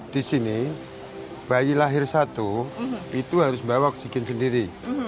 di sini bayi lahir satu itu harus bawa oksigen sendiri